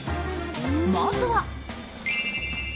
まずは。